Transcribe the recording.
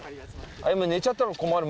あゆむ寝ちゃったら困る。